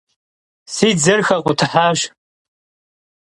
Si dzer xekhutıhaş.